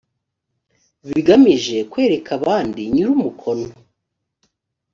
bigamije kwereka abandi nyir umukono